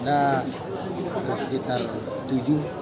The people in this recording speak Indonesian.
ada sekitar tujuh